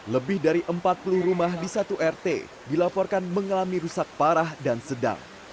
lebih dari empat puluh rumah di satu rt dilaporkan mengalami rusak parah dan sedang